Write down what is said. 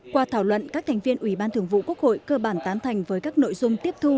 qua thảo luận các thành viên ủy ban thường vụ quốc hội cơ bản tán thành với các nội dung tiếp thu